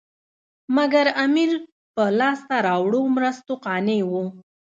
مګر امیر په لاسته راوړو مرستو قانع وو.